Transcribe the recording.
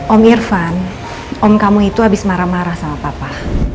om irfan om kamu itu habis marah marah sama papa